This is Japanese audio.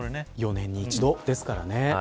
４年に１度ですからね。